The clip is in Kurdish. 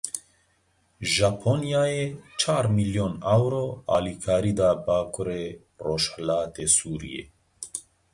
Japonyayê çar milyon Euro alîkarî da Bakurê Rojhilatê Sûriyê